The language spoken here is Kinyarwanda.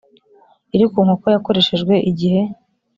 iri ku nkoko yakoreshejwe igihe